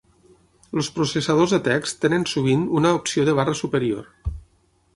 Els processadors de text tenen sovint una opció de barra superior.